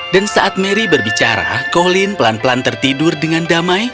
dan saat mary berbicara colin pelan pelan tertidur dengan damai